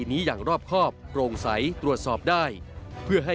มีวันที่ปรับทราบ